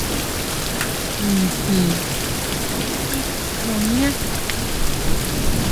Nijin titjuñá.